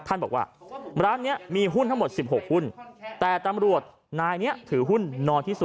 ท่านบอกว่าร้านนี้มีหุ้นทั้งหมด๑๖หุ้นแต่ตำรวจนายนี้ถือหุ้นน้อยที่สุด